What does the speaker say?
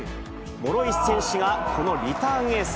諸石選手がこのリターンエース。